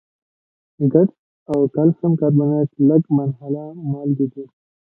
ګچ او کلسیم کاربونیټ لږ منحله مالګې دي.